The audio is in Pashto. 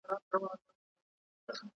د چا لاس چي د خپل قام په وینو سور وي `